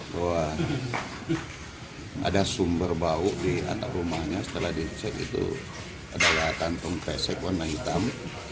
bahwa ada sumber bau di atap rumahnya setelah dicek itu adalah kantung kresek warna hitam